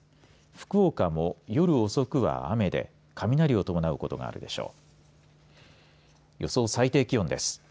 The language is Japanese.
福岡も夜遅くは雨で雷を伴うことがあるでしょう。